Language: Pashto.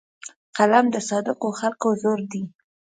قلم د صادقو خلکو زور دی